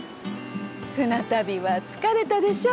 船旅は疲れたでしょ？